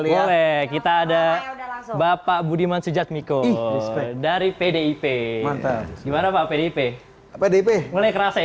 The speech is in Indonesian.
ya kita ada bapak budiman sujad miko dari pdip mantap gimana pak pdip pdip mulai kerasa ya